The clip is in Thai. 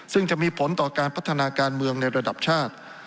ซึ่งจะมีผลต่อการพัฒนาการเมืองในระดับชาติ